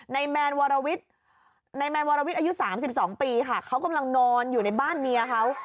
แมนวรวิทย์นายแมนวรวิทย์อายุ๓๒ปีค่ะเขากำลังนอนอยู่ในบ้านเมียเขา